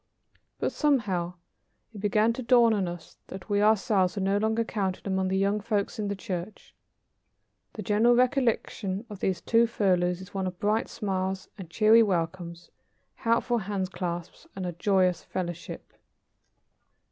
But, somehow, it began to dawn on us that we ourselves were no longer counted among the young folks in the church. The general recollection of those two furloughs is one of bright smiles and cheery welcomes, helpful handclasps and a joyous fellowship.